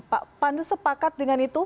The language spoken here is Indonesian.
pak pandu sepakat dengan itu